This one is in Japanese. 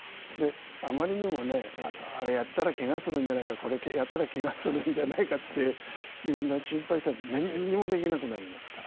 あまりにもあれやったらけがするんじゃないかこれやったらけがするんじゃないかってみんな心配してたら何にもできなくなりますから。